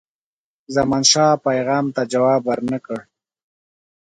زمانشاه پیغام ته جواب ورنه کړ.